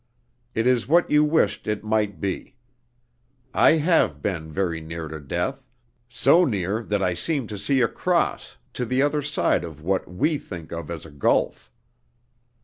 It is what you wished it might be. I have been very near to death, so near that I seemed to see across, to the other side of what we think of as a gulf.